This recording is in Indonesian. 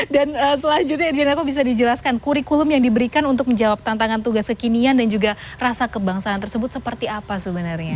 dan selanjutnya rizal nako bisa dijelaskan kurikulum yang diberikan untuk menjawab tantangan tugas kekinian dan juga rasa kebangsaan tersebut seperti apa sebenarnya